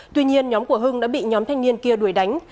tuy nhiên nhóm của hưng đã bị nhóm thanh niên kia đuổi đánh